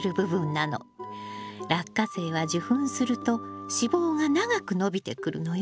ラッカセイは受粉すると子房が長く伸びてくるのよ。